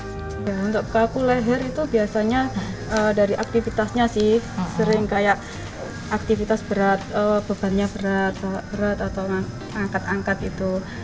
untuk kaku leher itu biasanya dari aktivitasnya sih sering kayak aktivitas berat bebannya berat berat atau angkat angkat itu